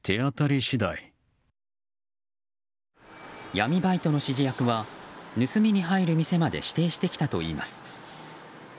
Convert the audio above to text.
闇バイトの指示役は盗みに入る店まで指定してきたといいます。